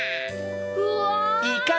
うわ！